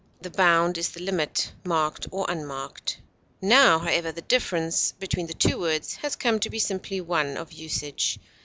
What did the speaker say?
The bound is the limit, marked or unmarked. Now, however, the difference between the two words has come to be simply one of usage.